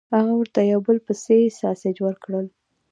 هغه ورته یو په بل پسې ساسج ورکړل